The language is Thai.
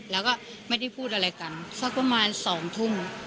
แล้วก็ไม่ได้พูดอะไรกันสักประมาณ๒ทุ่ม